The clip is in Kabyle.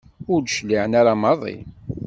Ur d-cliɛen ara maḍi.